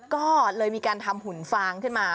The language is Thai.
ก็เลยมีการทำหุ่นฟางขึ้นมา